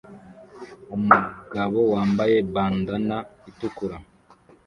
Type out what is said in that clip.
umugabo yambara bandanna itukura